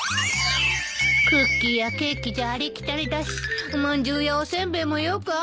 クッキーやケーキじゃありきたりだしおまんじゅうやお煎餅もよくあるし。